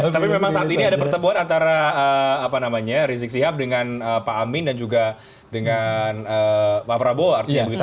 tapi memang saat ini ada pertemuan antara rizik sihab dengan pak amin dan juga dengan pak prabowo artinya begitu ya